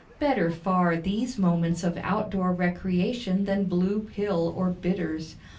Better far these moments of out door recreation than blue pill or bitters.